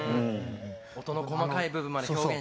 音の細かい部分まで表現してたね。